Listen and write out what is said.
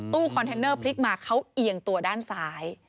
คอนเทนเนอร์พลิกมาเขาเอียงตัวด้านซ้าย